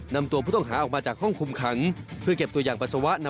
นำตัวผู้ต้องหาออกมาจากห้องคุมขังเพื่อเก็บตัวอย่างปัสสาวะนำ